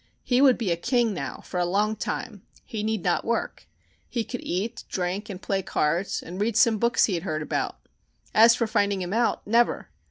He would be a king now for a long time. He need not work. He could eat, drink and play cards and read some books he had heard about. As for finding him out never!